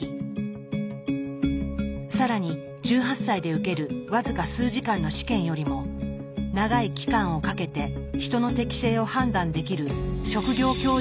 更に１８歳で受ける僅か数時間の試験よりも長い期間をかけて人の適性を判断できる職業教育の方が民主的だといいます。